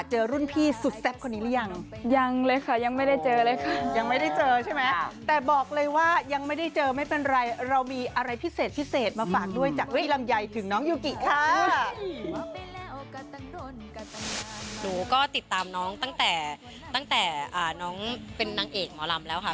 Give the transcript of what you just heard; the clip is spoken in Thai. หนูก็ติดตามน้องตั้งแต่ตั้งแต่น้องเป็นนางเอกหมอลำแล้วค่ะ